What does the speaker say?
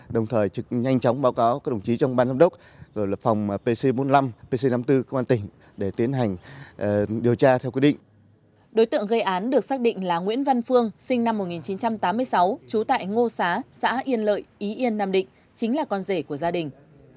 đối tượng gây án được xác định là nguyễn văn phương sinh năm một nghìn chín trăm tám mươi sáu trú tại ngô xá xã yên lợi ý yên nam định chính là con rể của gia đình